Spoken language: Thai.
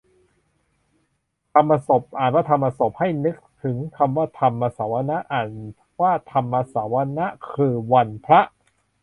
ธรรมสพน์ อ่านว่าทำมะสบ ให้นึกถึงคำว่า ธรรมสวนะ อ่านว่าทำมะสะวะนะ คือวันพระ